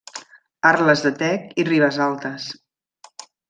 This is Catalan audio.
Arles de Tec i Ribesaltes.